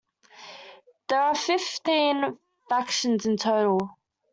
There are fifteen factions in total.